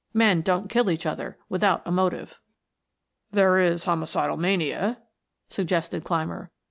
Men don't kill each other without a motive." "There is homicidal mania," suggested Clymer.